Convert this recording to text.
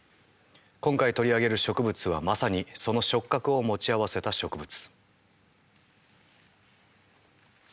今回取り上げる植物はまさにその触覚を持ち合わせた植物。